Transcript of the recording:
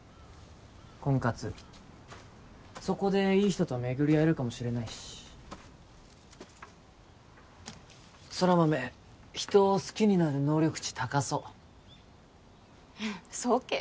婚活そこでいい人と巡りあえるかもしれないし空豆人を好きになる能力値高そうそうけ？